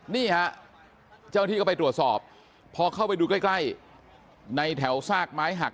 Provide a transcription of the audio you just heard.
นี่ฮะเจ้าที่ก็ไปตรวจสอบพอเข้าไปดูใกล้ในแถวซากไม้หัก